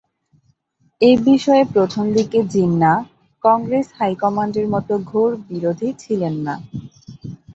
এ বিষয়ে প্রথম দিকে জিন্নাহ কংগ্রেস হাইকমান্ডের মতো ঘোর বিরোধী ছিলেন না।